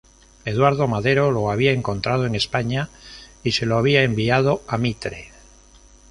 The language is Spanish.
Eduardo Madero lo había encontrado en España y se lo había enviado a Mitre.